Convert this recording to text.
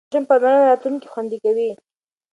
د ماشوم پاملرنه راتلونکی خوندي کوي.